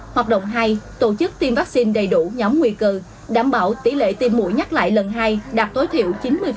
hoạt động hai tổ chức tiêm vaccine đầy đủ nhóm nguy cơ đảm bảo tỷ lệ tiêm mũi nhắc lại lần hai đạt tối thiểu chín mươi